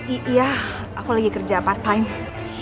iya aku lagi kerja part time